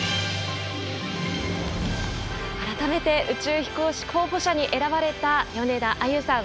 改めて宇宙飛行士候補者に選ばれた米田あゆさん